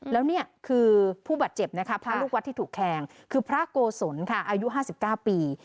แล้วนี่คือผู้บาดเจ็บนะคะพระลูกวัดที่ถูกแทงคือพระโกศลค่ะอายุ๕๙ปี